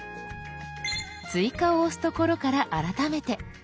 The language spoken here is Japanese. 「追加」を押すところから改めて。